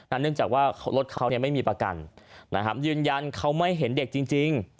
เนื่องจากว่ารถเขาไม่มีประกันนะครับยืนยันเขาไม่เห็นเด็กจริง